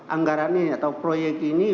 anggaran ini atau proyek ini